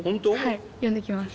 はい呼んできます。